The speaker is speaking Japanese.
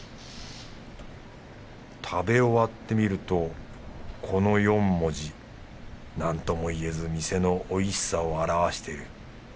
食べ終わってみるとこの４文字なんともいえず店のおいしさを表してる。